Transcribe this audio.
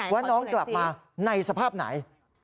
ว่าน้องกลับมาในสภาพไหน